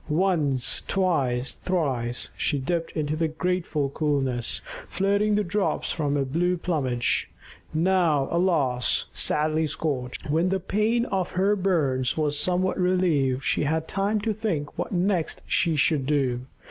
Once, twice, thrice, she dipped into the grateful coolness, flirting the drops from her blue plumage, now alas! sadly scorched. When the pain of her burns was somewhat relieved she had time to think what next she should do.